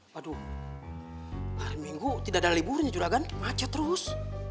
waduh hari minggu tidak ada liburnya juragan macet terus